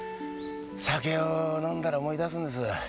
酒を飲んだら思い出すんです。